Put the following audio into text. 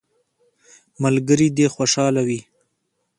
ملګري دي خوشحاله وي.